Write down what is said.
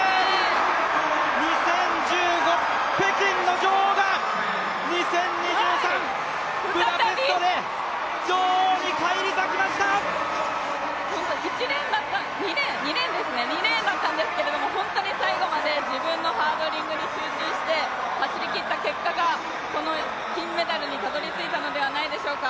２０１５、北京の女王が２０２３、ブダペストで２レーンだったんですけど本当に最後まで自分のハードリングに集中して走りきった結果が、この金メダルにたどり着いたのではないでしょうか。